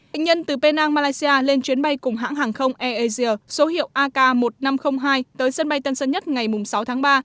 bệnh nhân từ penang malaysia lên chuyến bay cùng hãng hàng không airasia số hiệu ak một nghìn năm trăm linh hai tới sân bay tân sơn nhất ngày sáu tháng ba